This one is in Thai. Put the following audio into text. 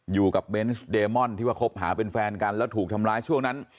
เบนส์เดมอนที่ว่าคบหาเป็นแฟนกันแล้วถูกทำร้ายช่วงนั้น